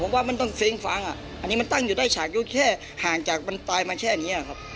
ผมว่ามันต้องเซ้งฟังอันนี้มันตั้งอยู่ได้ฉากอยู่แค่ห่างจากมันตายมาแค่นี้ครับ